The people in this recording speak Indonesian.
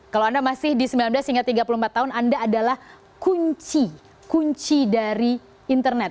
kalau anda masih di sembilan belas hingga tiga puluh empat tahun anda adalah kunci kunci dari internet